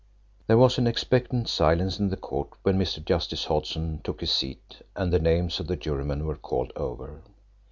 There was an expectant silence in the court when Mr. Justice Hodson took his seat and the names of the jurymen were called over.